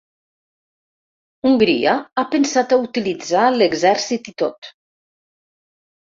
Hongria ha pensat a utilitzar l’exèrcit i tot.